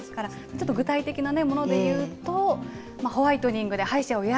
ちょっと具体的なものでいうと、ホワイトニングで歯医者を予約。